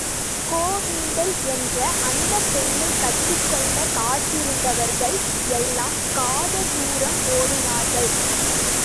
கோவிந்தை என்ற அந்தப் பெண்ணைக் கட்டிக் கொள்ளக் காத்திருந்தவர்கள் எல்லாம் காத தூரம் ஓடினார்கள்.